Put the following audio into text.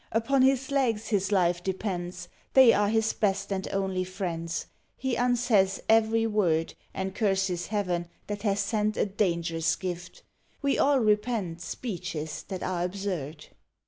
Upon his legs his life depends: They are his best and only friends. He unsays every word, And curses Heaven, that has sent A dangerous gift. We all repent Speeches that are absurd.